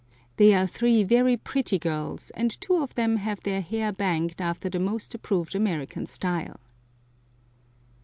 They are three very pretty girls, and two of them have their hair banged after the most approved American style.